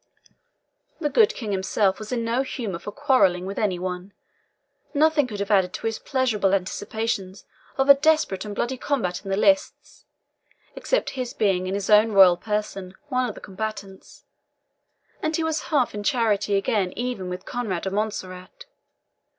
The good King himself was in no humour for quarrelling with any one. Nothing could have added to his pleasurable anticipations of a desperate and bloody combat in the lists, except his being in his own royal person one of the combatants; and he was half in charity again even with Conrade of Montserrat.